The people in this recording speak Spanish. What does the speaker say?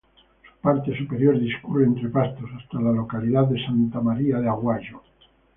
Su parte superior discurre entre pastos hasta la localidad de Santa María de Aguayo.